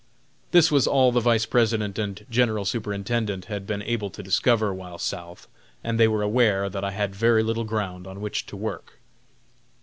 This was all the Vice President and General Superintendent had been able to discover while South, and they were aware that I had very little ground on which to work.